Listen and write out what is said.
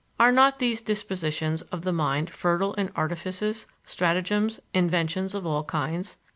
Are not these dispositions of the mind fertile in artifices, stratagems, inventions of all kinds?